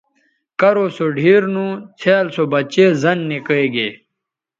کرو سو ڈِھیر نو څھیال سو بچے زَن نِکئے گے